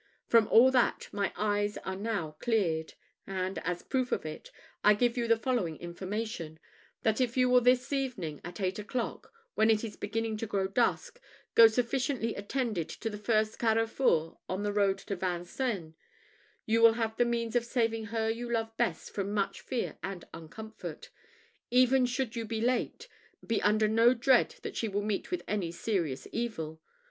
From all that, my eyes are now cleared; and, as a proof of it, I give you the following information that if you will this evening at eight o'clock, when it is beginning to grow dusk, go sufficiently attended to the first carrefour on the road to Vincennes, you will have the means of saving her you love best from much fear and uncomfort. Even should you be too late, be under no dread that she will meet with any serious evil.